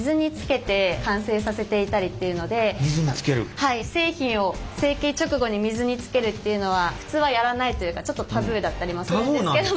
はい製品を成型直後に水につけるっていうのは普通はやらないというかちょっとタブーだったりもするんですけども。